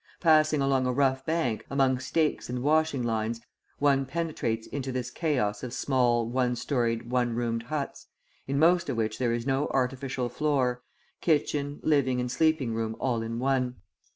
Passing along a rough bank, among stakes and washing lines, one penetrates into this chaos of small one storied, one roomed huts, in most of which there is no artificial floor; kitchen, living and sleeping room all in one.